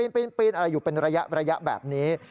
ปีนอะไรอยู่เป็นระยะแบบนี้